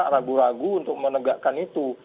ragu ragu untuk menegakkan itu